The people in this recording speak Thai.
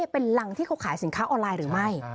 เป็นรังที่เขาขายสินค้าออนไลน์หรือไม่